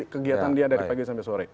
kegiatan dia dari pagi sampai sore